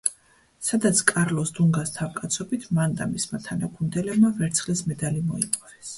სადაც კარლოს დუნგას თავკაცობით, მან და მისმა თანაგუნდელებმა ვერცხლის მედალი მოიპოვეს.